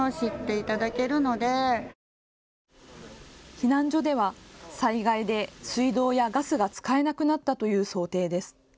避難所では災害で水道やガスが使えなくなったという想定です。